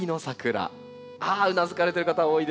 うなずかれてる方が多いですね